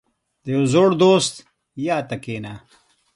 • د یو زوړ دوست یاد ته کښېنه.